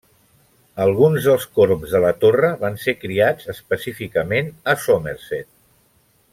Alguns dels corbs de la torre van ser criats específicament a Somerset.